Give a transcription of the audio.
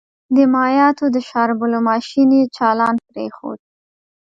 د مايعاتو د شاربلو ماشين يې چالان پرېښود.